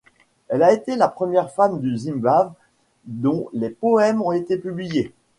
Elle a été la première femme du Zimbabwe dont les poèmes ont été publiés.